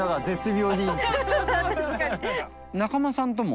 仲間さんとも。